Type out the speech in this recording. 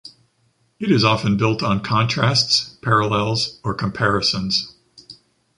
It is often built on contrasts, parallels or comparisons.